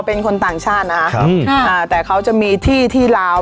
เป็นคนต่างชาตินะครับค่ะอ่าแต่เขาจะมีที่ที่ลาว